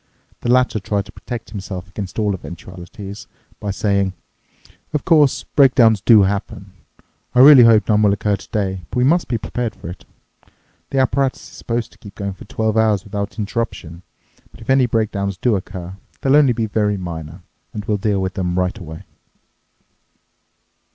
The latter tried to protect himself against all eventualities by saying, "Of course, breakdowns do happen. I really hope none will occur today, but we must be prepared for it. The apparatus is supposed to keep going for twelve hours without interruption. But if any breakdowns do occur, they'll only be very minor, and we'll deal with them right away."